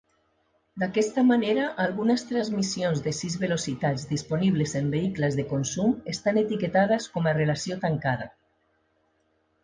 D'aquesta manera, algunes transmissions de sis velocitats disponibles en vehicles de consum estan etiquetades com a "relació tancada".